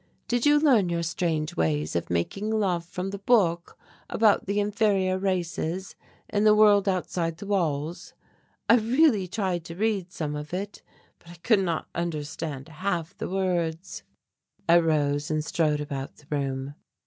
Did you learn your strange ways of making love from the book about the inferior races in the world outside the walls? I really tried to read some of it, but I could not understand half the words." I rose and strode about the room.